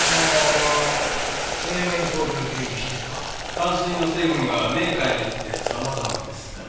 かん水の成分はメーカーによって様々ですから。